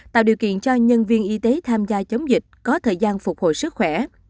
tạo điều kiện cho nhân viên y tế tham gia chống dịch có thời gian phục hồi sức khỏe